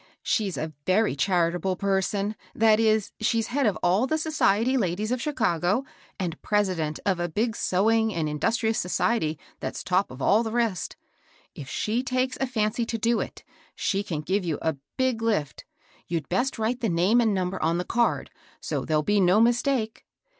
She's a very charitable per^ son, — that is, she's head of all the society ladies of Chicago, and president of a big sewing and in dustrious society that's top of all the rest. If she takes a fancy to do it, she can give you a big lift. You'd best write the name and number on the card, so there'll be no mistake."